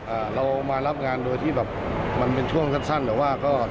อ่าเรามารับงานโดยที่แบบมันเป็นช่วงสั้นสั้นแต่ว่าก็